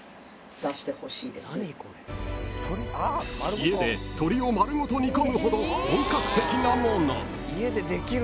［家で鶏を丸ごと煮込むほど本格的なもの］